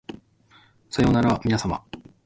さようならみなさま